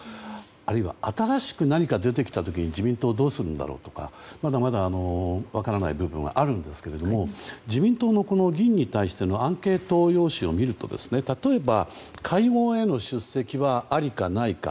あるいは新しく何か出てきた時に自民党はどうするんだろうとかまだまだ分からない部分はあるんですけれども自民党の議員に対してのアンケート用紙を見ると例えば会合への出席はありか、ないか。